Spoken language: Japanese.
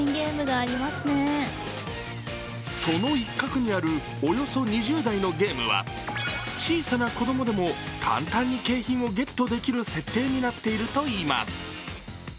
その一角にあるおよそ２０台のゲームは小さな子供でも簡単に景品をゲットできる設定になっているといいます。